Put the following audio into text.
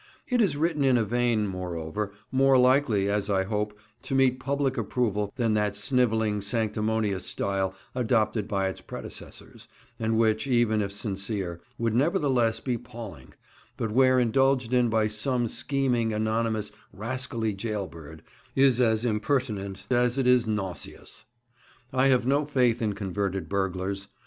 It is written in a vein, moreover, more likely—as I hope—to meet public approval than that snivelling, sanctimonious style adopted by its predecessors, and which, even if sincere, would nevertheless be palling, but where indulged in by some scheming, anonymous, rascally jail bird, is as impertinent as it is nauseous. I have no faith in converted burglars.